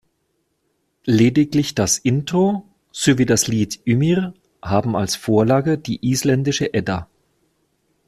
Lediglich das Intro sowie das Lied „Ymir“ haben als Vorlage die isländische Edda.